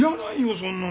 そんなの！